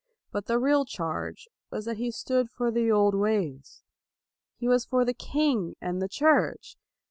But the real charge was that he stood for the old ways. He was for the king and the Church.